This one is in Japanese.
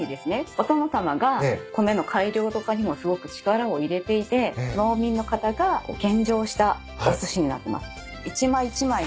お殿様が米の改良とかにもすごく力を入れていて農民の方が献上したおすしになってます。